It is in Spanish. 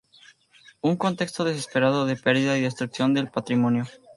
un contexto desesperado de perdida y destrucción del patrimonio